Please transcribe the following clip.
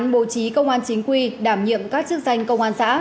bố trí công an chính quy đảm nhiệm các chức danh công an xã